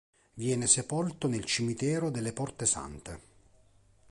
Viene sepolto nel Cimitero delle Porte Sante.